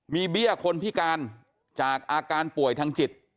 มีเบี้ยคนพิการจากอาการป่วยทางจิต